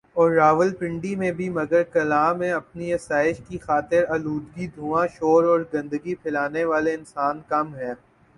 اور راولپنڈی میں بھی مگر کلاں میں اپنی آسائش کی خاطر آلودگی دھواں شور اور گندگی پھیلانے والے انسان کم ہیں